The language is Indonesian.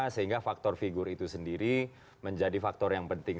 sehingga faktor figur itu sendiri menjadi faktor yang penting